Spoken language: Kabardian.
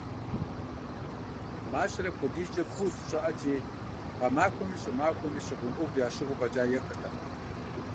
Мащэр апхуэдизкӏэ куут, щӏыӏэти, гъэмахуэми щӏымахуэ щыгъын ӏув ящыгъыу фӏэкӏа ехыртэкъым.